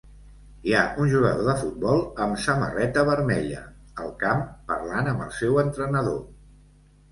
Hi ha un jugador de futbol amb samarreta vermella al camp parlant amb el seu entrenador.